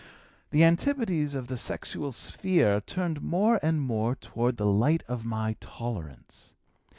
"The antipodes of the sexual sphere turned more and more toward the light of my tolerance.